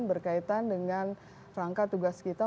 berkaitan dengan rangka tugas kita